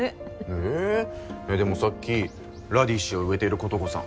えでもさっきラディッシュを植えてる琴子さん